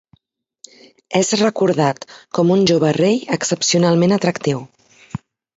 És recordat com un jove rei excepcionalment atractiu.